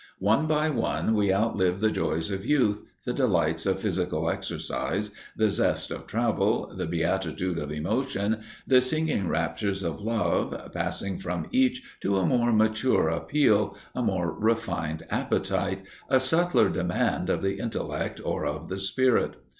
One by one we outlive the joys of youth, the delights of physical exercise, the zest of travel, the beatitude of emotion, the singing raptures of love, passing from each to a more mature appeal, a more refined appetite, a subtler demand of the intellect or of the spirit.